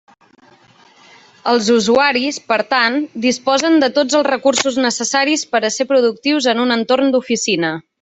Els usuaris, per tant, disposen de tots els recursos necessaris per a ser productius en un entorn d'oficina.